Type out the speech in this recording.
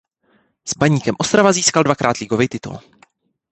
S Baníkem Ostrava získal dvakrát ligový titul.